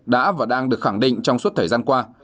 đã và đang được khẳng định trong suốt thời gian qua